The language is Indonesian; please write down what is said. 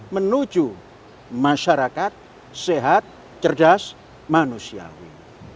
menuju masyarakat sehat cerdas manusiawi